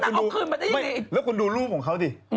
เหรอแล้วคุณดูรูปของเขาดิ